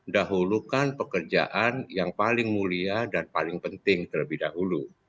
dahulukan pekerjaan yang paling mulia dan paling penting terlebih dahulu